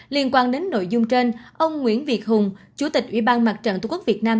liên quan đến nội dung trên ông nguyễn việt hùng chủ tịch ủy ban mặt trận tổ quốc việt nam